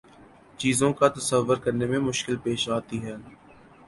چیزوں کا تصور کرنے میں مشکل پیش آتی ہے